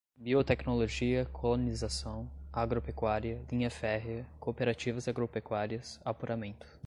biotecnologia, colonização, agro-pecuária, linha férrea, cooperativas agropecuárias, apuramento